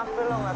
ya bukan apa apa